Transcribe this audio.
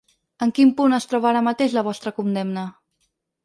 En quin punt es troba ara mateix la vostra condemna?